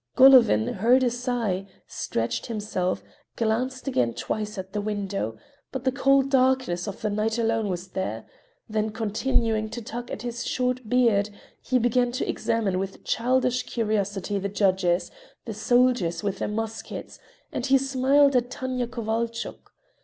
Golovin heaved a sigh, stretched himself, glanced again twice at the window, but the cold darkness of the night alone was there; then continuing to tug at his short beard, he began to examine with childish curiosity the judges, the soldiers with their muskets, and he smiled at Tanya Kovalchuk.